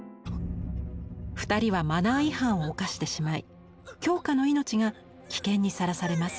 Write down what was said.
２人はマナー違反を犯してしまい京香の命が危険にさらされます。